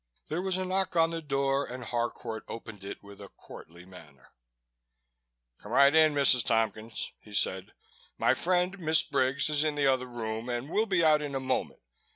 There was a knock on the door and Harcourt opened it with a courtly manner. "Come right in, Mrs. Tompkins," he said. "My friend, Miss Briggs, is in the other room and will be out in a moment.